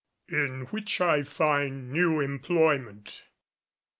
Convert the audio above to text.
IN WHICH I FIND NEW EMPLOYMENT.